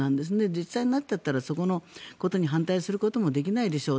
実際になっちゃったらそのことに反対することもできないでしょう。